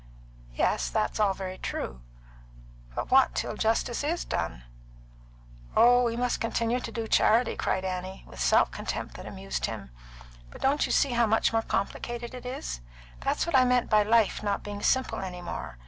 "Yes, that's all very true. But what till justice is done?" "Oh, we must continue to do charity," cried Annie, with self contempt that amused him. "But don't you see how much more complicated it is? That's what I meant by life not being simple any more.